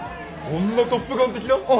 女『トップガン』的な？